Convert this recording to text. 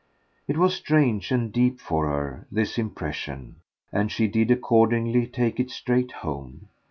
It was strange and deep for her, this impression, and she did accordingly take it straight home.